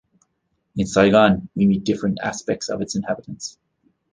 In Saigon, we meet different aspects of its inhabitants.